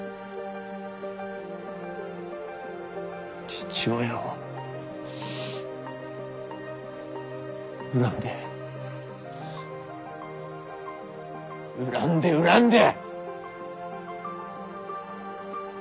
父親を恨んで恨んで恨んで。